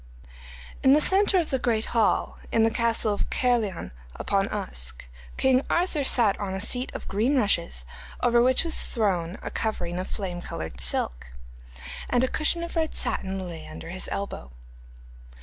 In the centre of the great hall in the castle of Caerleon upon Usk, king Arthur sat on a seat of green rushes, over which was thrown a covering of flame coloured silk, and a cushion of red satin lay under his elbow.